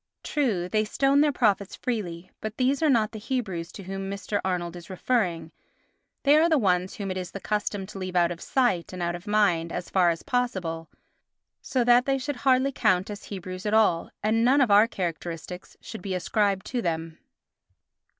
True, they stoned their prophets freely; but these are not the Hebrews to whom Mr. Arnold is referring, they are the ones whom it is the custom to leave out of sight and out of mind as far as possible, so that they should hardly count as Hebrews at all, and none of our characteristics should be ascribed to them.